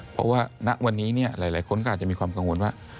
เพราะว่าณวันนี้หลายคนก็อาจจะมีความกังวลว่า